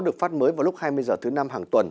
được phát mới vào lúc hai mươi h thứ năm hàng tuần